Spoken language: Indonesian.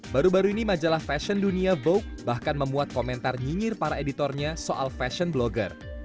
baru baru ini majalah fashion dunia vogue bahkan memuat komentar nyinyir para editornya soal fashion blogger